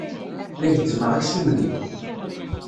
La gezzmeɣ aksum-nni.